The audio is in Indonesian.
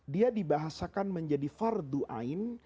dia dibahasakan menjadi fardu'ain